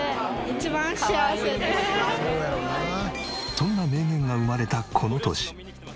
そんな名言が生まれたこの年。